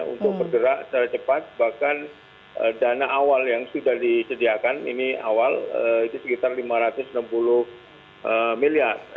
untuk bergerak secara cepat bahkan dana awal yang sudah disediakan ini awal itu sekitar lima ratus enam puluh miliar